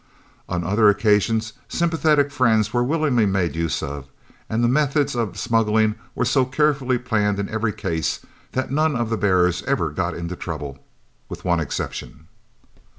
On other occasions sympathetic friends were willingly made use of, and the methods of smuggling were so carefully planned in every case that none of the bearers ever got into trouble, with one exception.